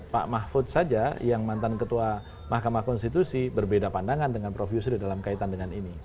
pak mahfud saja yang mantan ketua mahkamah konstitusi berbeda pandangan dengan prof yusril dalam kaitan dengan ini